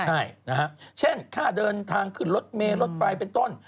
ใช่นะฮะเช่นค่าเดินทางขึ้นรถเมลรถไฟเป็นต้น